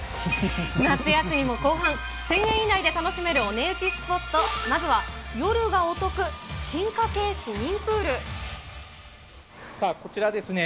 夏休みも後半、１０００円以内で楽しめるお値打ちスポット、まずは夜がお得、さあ、こちらですね。